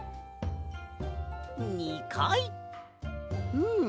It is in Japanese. うん。